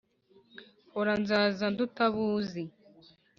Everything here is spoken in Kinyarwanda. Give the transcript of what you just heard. hora nzaza nduta abo uzi